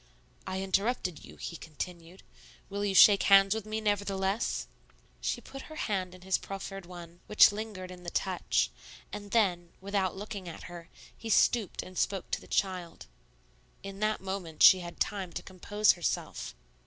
"I interrupted you," he continued; "will you shake hands with me, nevertheless?" She put her hand in his proffered one, which lingered in the touch; and then, without looking at her, he stooped and spoke to the child. In that moment she had time to compose herself.